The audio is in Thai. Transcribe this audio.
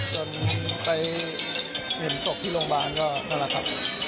จนไปเห็นศพที่โรงพยาบาลก็นั่นแหละครับ